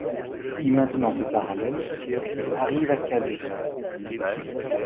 Suis maintenant ce parallèle et arrive à Kazeh.